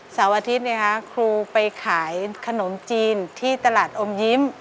เสาร์อาทิตย์ครูไปขายขนมจีนที่ตลาดอมยิ้ม